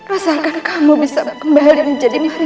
asalkan kamu bisa kembali menjadi maria yang dulu